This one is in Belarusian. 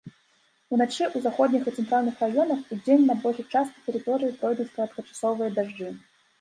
Уначы ў заходніх і цэнтральных раёнах, удзень на большай частцы тэрыторыі пройдуць кароткачасовыя дажджы.